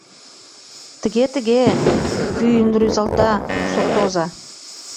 — Тыге-тыге, — вуйым рӱзалта суртоза.